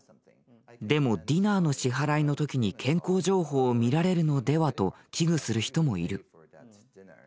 でもディナーの支払いの時に健康情報を見られるのではと危惧する人もいる。